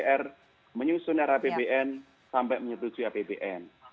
dan dpr menyusun arah apbn sampai menyetujui apbn